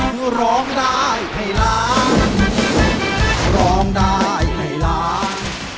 คุณน้ำทิพย์ร้อง